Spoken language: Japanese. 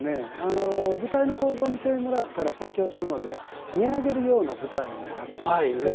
舞台の構造を見てもらったら先ほどので、見上げるような舞台になっていまして。